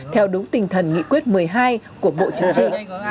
theo đúng tình thần nghị quyết một mươi hai của bộ chính trị